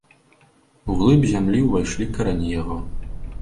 У глыб зямлі ўвайшлі карані яго.